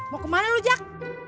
mau kemana lu jak